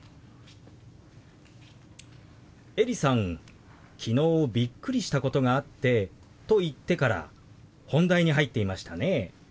エリさん「昨日びっくりしたことがあって」と言ってから本題に入っていましたね。